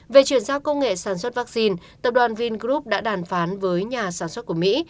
về chuyển giao công nghệ sản xuất vaccine tập đoàn vingroup đã đàm phán với nhà sản xuất của mỹ